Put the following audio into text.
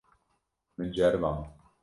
Min ceriband.